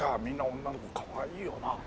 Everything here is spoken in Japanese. みんな女の子かわいいよな。